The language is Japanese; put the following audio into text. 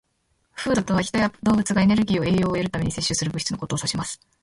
"Food" とは、人や動物がエネルギーと栄養を得るために摂取する物質のことを指します。